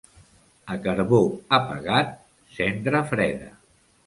A carbó apagat, cendra freda.